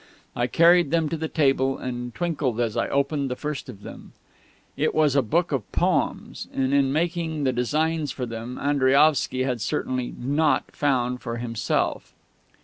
I carried them to the table, and twinkled as I opened the first of them. It was a book of poems, and in making the designs for them Andriaovsky had certainly not found for himself.